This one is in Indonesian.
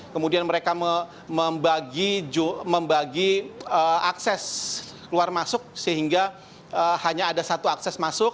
kemudian mereka membagi akses keluar masuk sehingga hanya ada satu akses masuk